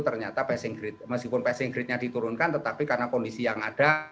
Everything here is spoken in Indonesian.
ternyata passing grade meskipun passing grade nya diturunkan tetapi karena kondisi yang ada